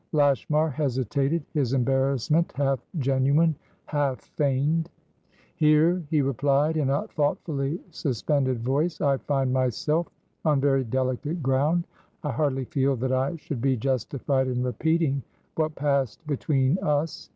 Lashmar hesitated, his embarrassment half genuine, half feigned. "Here," he replied, in a thoughtfully suspended voice, "I find myself on very delicate ground. I hardly feel that I should be justified in repeating what passed between us.